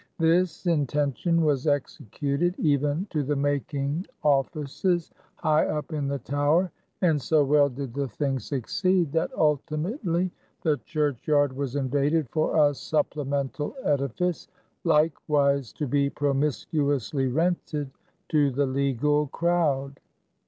This intention was executed, even to the making offices high up in the tower; and so well did the thing succeed, that ultimately the church yard was invaded for a supplemental edifice, likewise to be promiscuously rented to the legal crowd.